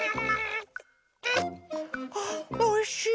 あおいしい。